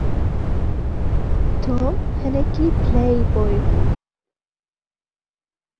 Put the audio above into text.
Tom hinekî playboy bû.